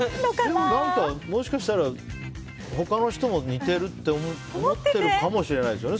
もしかしたら、他の人も似てるって思ってるかもしれないですよね。